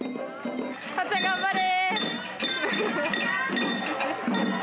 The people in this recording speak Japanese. はっちゃん頑張れ！